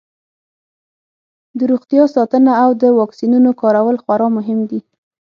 د روغتیا ساتنه او د واکسینونو کارول خورا مهم دي.